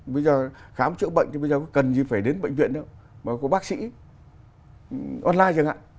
bây giờ khám chữa bệnh thì bây giờ có cần gì phải đến bệnh viện đâu mà có bác sĩ online chẳng hạn